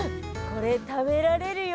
これ食べられるよ。